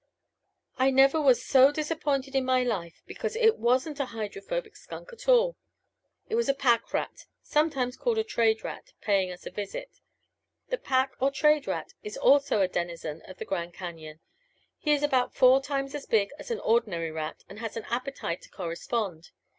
I never was so disappointed in my life because it wasn't a Hydrophobic Skunk at all. It was a pack rat, sometimes called a trade rat, paying us a visit. The pack or trade rat is also a denizen of the Grand Cañon. He is about four times as big as an ordinary rat and has an appetite to correspond.